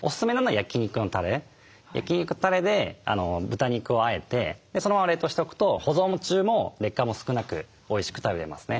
焼肉のたれで豚肉をあえてそのまま冷凍しておくと保存中も劣化も少なくおいしく食べれますね。